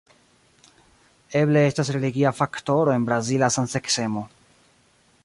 Eble estas religia faktoro en brazila samseksemo.